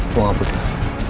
gue gak butuh